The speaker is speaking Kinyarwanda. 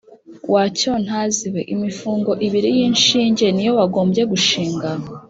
wa cyontazi we, imifungo ibiri y’ishinge ni yo wagombye gushinga